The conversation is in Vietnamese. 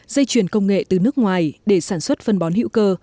dây chuyển công nghệ từ nước ngoài để sản xuất phân bón hữu cơ